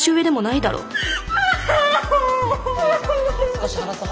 少し話そう。